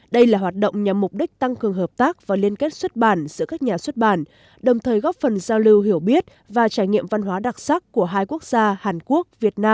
đây là hoạt động nhằm mục đích tăng cường hợp tác và liên kết xuất bản giữa các nhà xuất bản đồng thời góp phần giao lưu hiểu biết và trải nghiệm văn hóa đặc sắc của hai quốc gia hàn quốc